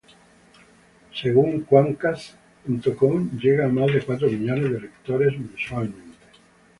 Según Quantcast.com, llega a más de cuatro millones de lectores mensualmente.